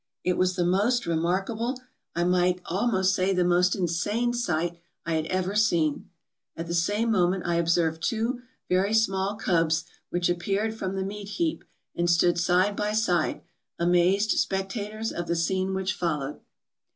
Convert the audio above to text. It was the most remarkable, I might almost say the most insane sight I had ever seen. At the same moment I observed two very small cubs which appeared from the meat heap and stood side by side, amazed spectators of the scene which followed.